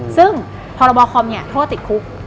ซึ่งพลคเนี่ยโทษติดคุก